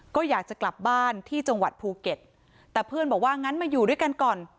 ก็อยากจะกลับบ้านที่จังหวัดภูเก็ตแต่เพื่อนบอกว่างั้นมาอยู่ด้วยกันก่อน